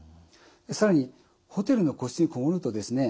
更にホテルの個室に籠もるとですね